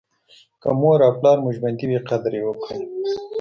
که مور او پلار مو ژوندي وي قدر یې وکړئ.